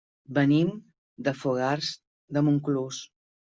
Venim de Fogars de Montclús.